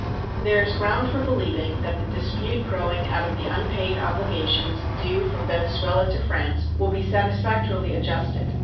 There is ground for believing that the dispute growing out of the unpaid obligations due from Venezuela to France will be satisfactorily adjusted.